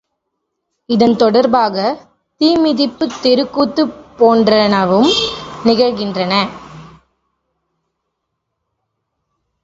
இதன் தொடர்பாகத் தீமிதிப்பு, தெருக்கூத்து போன்றனவும் நிகழ்கின்றன.